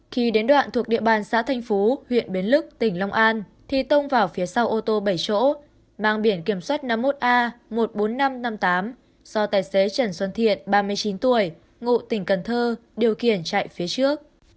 khi đến đoạn thuộc địa bàn xã thanh phú huyện bến lức tỉnh long an thì tông vào phía sau ô tô bảy chỗ mang biển kiểm soát năm mươi một a một mươi bốn nghìn năm trăm năm mươi tám do tài xế trần xuân thiện ba mươi chín tuổi ngụ tỉnh cần thơ điều khiển chạy phía trước